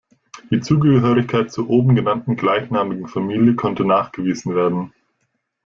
Die Zugehörigkeit zur oben genannten gleichnamigen Familie konnte nachgewiesen werden.